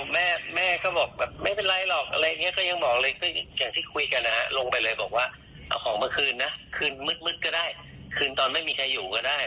แม่แม่ก็บอกแบบไม่เป็นไรหรอกอะไรอย่างนี้ก็ยังบอกเลยก็อย่างที่คุยกันนะฮะลงไปเลยบอกว่าเอาของมาคืนนะคืนมืดก็ได้คืนตอนไม่มีใครอยู่ก็ได้